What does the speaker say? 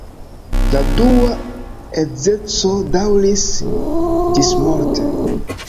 La dua edzeco daŭris ĝismorte.